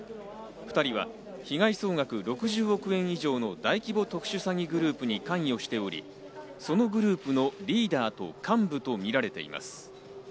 ２人は被害総額６０億円以上の大規模特殊詐欺グループに関与しており、そのグループのリーダーと幹部とみられています。